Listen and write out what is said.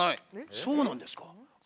そうなんですか？